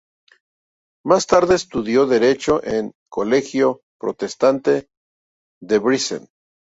Más tarde estudió derecho en Colegio Protestante de Debrecen.